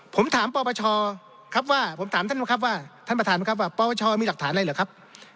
ผมถามท่านประธานครับว่าประวัติศาสตร์มีหลักฐานอะไรหรือครับ